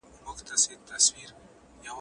هغه علم چي قدرت څېړي سياستپوهنه نومېږي.